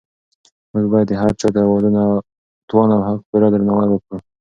موږ باید د هر چا د توان او حق پوره درناوی وکړو.